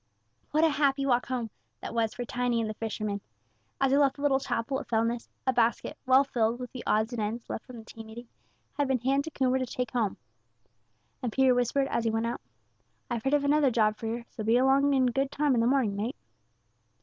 What a happy walk home that was for Tiny and the fisherman! As he left the little chapel at Fellness, a basket, well filled with the odds and ends left from the tea meeting, had been handed to Coomber to take home, and Peters whispered, as he went out: "I've heard of another job for yer, so be along in good time in the morning, mate."